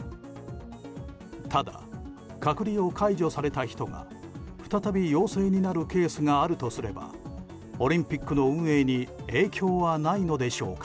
ただ、隔離を解除された人が再び陽性になるケースがあるとすればオリンピックの運営に影響はないのでしょうか。